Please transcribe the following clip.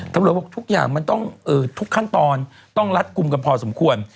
ตำรวจบอกทุกอย่างมันต้องทุกขั้นตอนต้องรัดกลุ่มกันพอสมควร